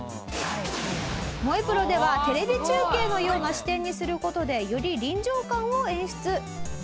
『燃えプロ』ではテレビ中継のような視点にする事でより臨場感を演出。